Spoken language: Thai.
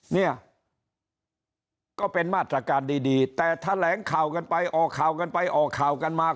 เนี่ยก็เป็นมาตรการดีแต่แถลงข่าวกันไปออกข่าวกันไปออกข่าวกันมา